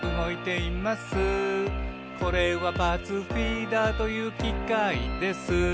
「これはパーツフィーダーというきかいです」